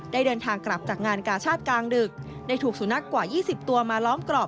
เดินทางกลับจากงานกาชาติกลางดึกได้ถูกสุนัขกว่า๒๐ตัวมาล้อมกรอบ